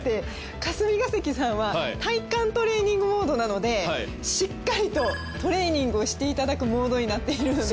霞が関さんは体幹トレーニングモードなのでしっかりとトレーニングをしていただくモードになっているので。